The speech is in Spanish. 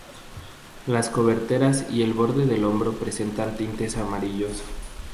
Las coberteras y el borde del hombro presentan tintes amarillos.